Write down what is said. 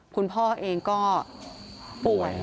คุณพ่อเองก็ป่วย